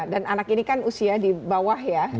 dan anak ini kan usia di bawah ya